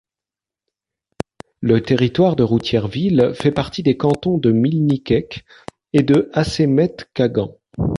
Le territoire de Routhierville fait partie des cantons de Milnikek et de Assemetquagan.